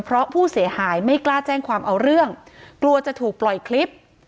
เพราะผู้เสียหายไม่กล้าแจ้งความเอาเรื่องกลัวจะถูกปล่อยคลิป